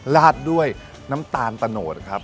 ลาดด้วยน้ำตาลตะโนดครับ